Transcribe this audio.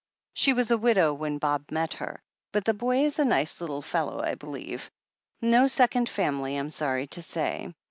She was a widow when Bob met her, but the boy is a nice little fellow, I believe. No second family, I'm sorry to say.